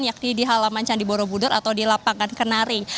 yakni di halaman candi borobudur atau di lapangan kenari